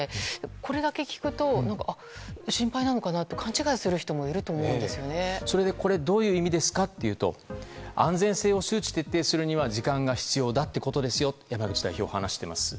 これだけ聞くと心配なのかなって勘違いする人もこれ、どういう意味ですかというと安全性を周知徹底するには時間が必要だということですよと山口代表は話しています。